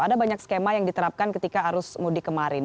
ada banyak skema yang diterapkan ketika arus mudik kemarin